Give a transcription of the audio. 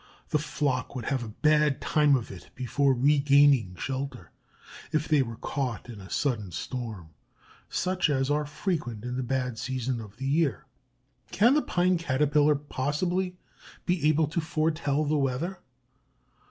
The flock would have a bad time of it before regaining shelter, if they were caught in a sudden storm, such as are frequent in the bad season of the year. Can the Pine Caterpillar possibly be able to foretell the weather?